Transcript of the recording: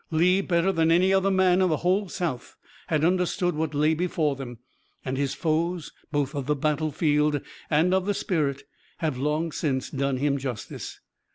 Lee, better than any other man in the whole South, had understood what lay before them, and his foes both of the battlefield and of the spirit have long since done him justice.